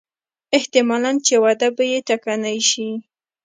احتمالاً چې وده به یې ټکنۍ شي.